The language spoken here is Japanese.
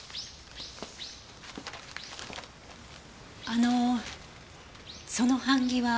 あのその版木は？